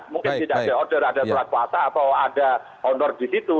mungkin tidak diatur ada peratkuasa atau ada honor di situ